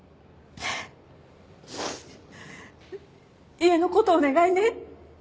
家の事お願いね。